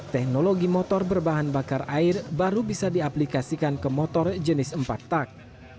teknologi motor berbahan bakar air baru bisa diaplikasikan ke motor jenis empat tak